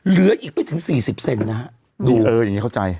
เหลืออีกไปถึงสี่สิบเซ็นดีนะเอออย่างนี้เข้าใจ